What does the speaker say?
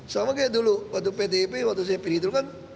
sama kayak dulu waktu pdip waktu saya pilih dulu kan